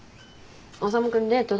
修君デート